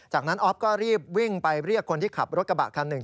จากนั้นออฟก็รีบวิ่งไปเรียกคนที่ขับรถกระบะคันหนึ่ง